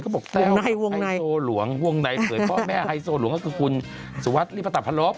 ก็บอกแต้วไฮโซหลวงห่วงในเผยเพราะแม่ไฮโซหลวงก็คือคุณสุวัสดิ์ริปตัพพระรบศ์